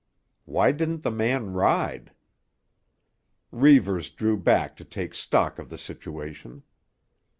Why didn't the man ride? Reivers drew back to take stock of the situation.